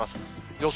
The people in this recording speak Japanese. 予想